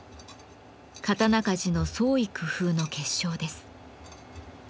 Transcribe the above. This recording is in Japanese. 刀鍛冶の創意工夫の結晶です。